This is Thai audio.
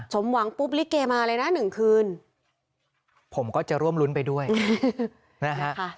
สมหวังปุ๊บลิเกมาเลยนะหนึ่งคืนผมก็จะร่วมรุ้นไปด้วยนะฮะ